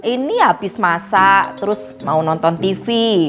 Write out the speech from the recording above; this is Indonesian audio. ini habis masak terus mau nonton tv